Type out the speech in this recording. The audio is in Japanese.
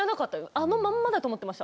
あのままだと思っていました。